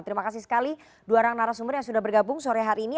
terima kasih sekali dua orang narasumber yang sudah bergabung sore hari ini